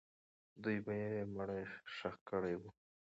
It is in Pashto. دوی به یې مړی ښخ کړی وو.